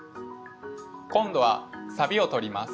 今度はサビを取ります。